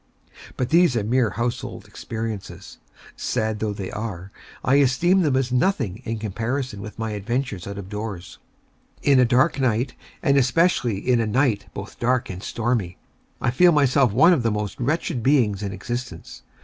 But these are mere household experiences. Sad though they are, I esteem them as nothing in comparison with my adventures out of doors. In a dark night, and especially in a night both dark and stormy, I feel myself one of the most wretched beings in existence.